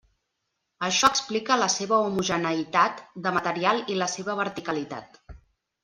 Això explica la seva homogeneïtat de material i la seva verticalitat.